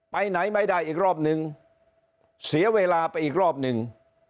ไปไหนไม่ได้อีกรอบนึงเสียเวลาไปอีกรอบหนึ่ง